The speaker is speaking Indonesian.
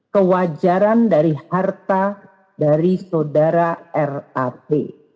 kewajaran dari harta dari saudara rap